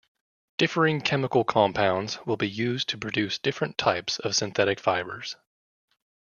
Differing chemical compounds will be used to produce different types of synthetic fibers.